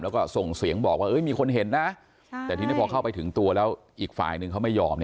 แล้วก็ส่งเสียงบอกว่ามีคนเห็นนะแต่ทีนี้พอเข้าไปถึงตัวแล้วอีกฝ่ายหนึ่งเขาไม่ยอม